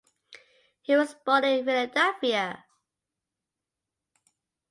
He was born in Philadelphia.